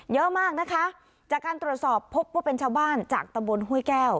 เยอะมากนะคะจากการตรวจสอบพบว่าเป็นชาวบ้านจากตำบลห้วยแก้ว